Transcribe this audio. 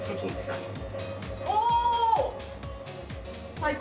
最高。